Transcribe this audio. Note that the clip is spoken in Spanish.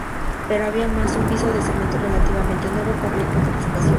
Pero había más: un piso de cemento relativamente nuevo con ruido de espacio hueco.